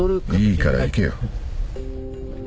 いいから行けよ。